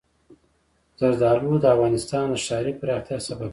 زردالو د افغانستان د ښاري پراختیا سبب کېږي.